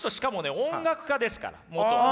音楽家ですから元はね。